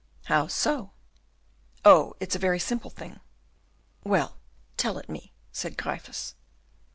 "How so?" "Oh, it's a very simple thing." "Well, tell it me," said Gryphus.